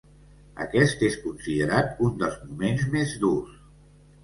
Aquest és considerat un dels moments més durs.